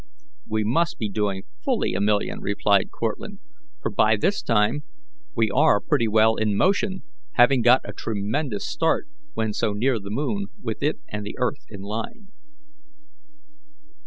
"We must be doing fully a million," replied Cortlandt, "for by this time we are pretty well in motion, having got a tremendous start when so near the moon, with it and the earth in line."